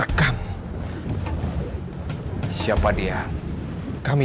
sebenarnya yang sahir caminho karir